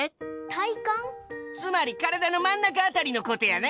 つまりからだのまんなかあたりのことやな！